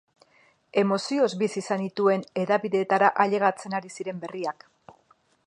Emozioz bizi izan nituen hedabideetara ailegatzen ari ziren berriak.